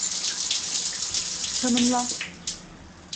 Tanımla.